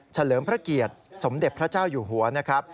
เลิมพระเกียรติสมเด็จพระเจ้าอยู่หัวนะครับ